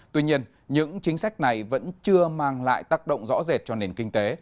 tuy nhiên những chính sách này vẫn chưa mang lại tác động rõ rệt cho nền kinh tế